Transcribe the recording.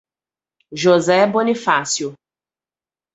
José Bonifácio